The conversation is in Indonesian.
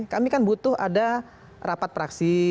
kami kan butuh ada rapat fraksi